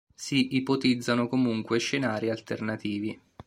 Si ipotizzano comunque scenari alternativi.